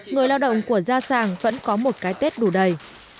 người lao động của gia sàng vẫn có một cái tết đủ đầy